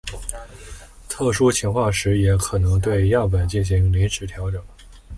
特殊情况时也可能对样本进行临时调整。